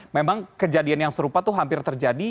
memang kejadian yang serupa itu hampir terjadi